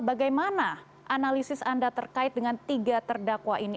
bagaimana analisis anda terkait dengan tiga terdakwa ini